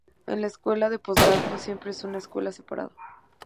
Una escuela de postgrado no siempre es una escuela separada.